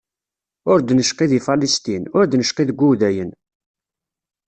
Ur d-necqi di Falasṭin, ur d-necqi deg Wudayen.